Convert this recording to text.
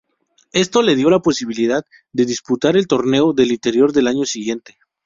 Esto le dio la posibilidad de disputar el Torneo del Interior al año siguiente.